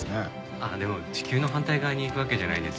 ああでも地球の反対側に行くわけじゃないですし。